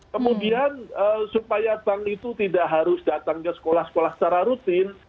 kemudian supaya bank itu tidak harus datang ke sekolah sekolah secara rutin